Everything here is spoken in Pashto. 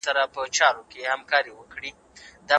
هیوادونه څنګه په محکمه کي انصاف راولي؟